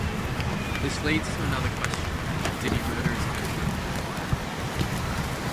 This leads to another question: did he murder his family with the fire?